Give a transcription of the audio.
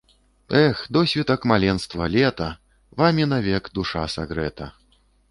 Эх, досвітак маленства, лета! Вамі навек душа сагрэта!